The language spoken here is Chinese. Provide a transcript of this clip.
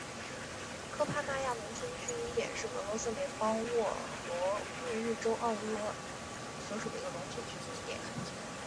科帕纳亚农村居民点是俄罗斯联邦沃罗涅日州奥利霍瓦特卡区所属的一个农村居民点。